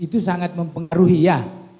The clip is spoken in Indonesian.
itu sangat mempengaruhi ya